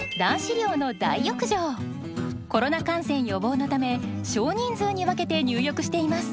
コロナ感染予防のため少人数に分けて入浴しています。